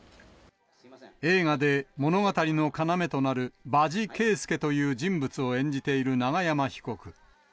映画で、物語のかなめとなる場地圭介という人物を演じている永山被告。